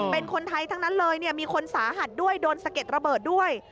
เป็นคนไทยทั้งนั้นเลยมีคนสาหัสด้วยโดนสะเก็ดระเบิดด้วย